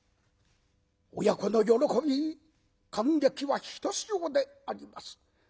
親子の喜び感激はひとしおであります。